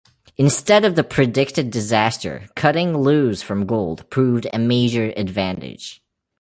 Instead of the predicted disaster, cutting loose from gold proved a major advantage.